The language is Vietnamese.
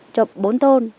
cho bốn thôn